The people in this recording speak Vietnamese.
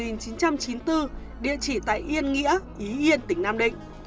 năm hai nghìn bốn địa chỉ tại yên nghĩa ý yên tỉnh nam định